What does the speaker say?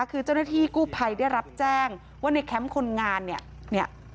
คือเจ้าหน้าที่กู้ภัยได้รับแจ้งว่าในแคมป์คนงานเนี่ย